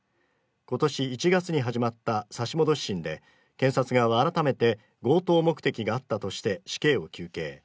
今年１月に始まった差し戻し審で検察側は改めて、強盗目的があったとして死刑を求刑。